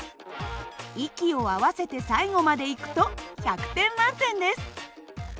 息を合わせて最後までいくと１００点満点です。